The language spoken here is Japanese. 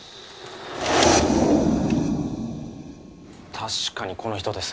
確かにこの人です